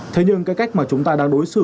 thế nhưng cái cách mà chúng ta đang đối xử